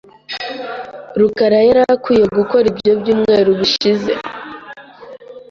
rukara yari akwiye gukora ibyo byumweru bishize .